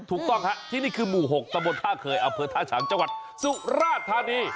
ถูกต้องครับที่นี่คือหมู่๖ตะบนท่าเคยอำเภอท่าฉางจังหวัดสุราธานี